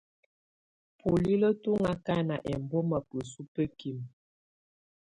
Bolilǝ́ tù ɔŋ akaka ɛmbɔ̀ma bǝsubǝkimǝ.